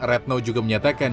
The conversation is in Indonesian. retno juga menyatakan